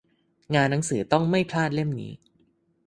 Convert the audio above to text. งานหนังสือ ต้องไม่พลาดเล่มนี้ !